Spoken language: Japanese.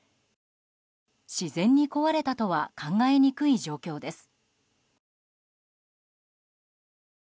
自然に壊れたとは考えにくい状況です。